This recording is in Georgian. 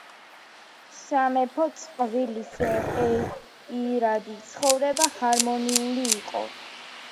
სამეფო წყვილის პირადი ცხოვრება ჰარმონიული იყო.